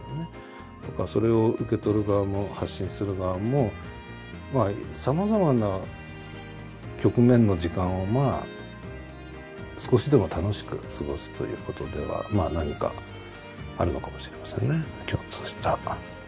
それを受け取る側も発信する側もさまざまな局面の時間を少しでも楽しく過ごすということではまあ何かあるのかもしれませんね共通した。